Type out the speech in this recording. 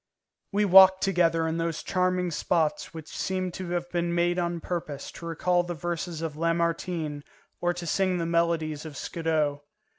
We walked together in those charming spots which seemed to have been made on purpose to recall the verses of Lamartine or to sing the melodies of Scudo.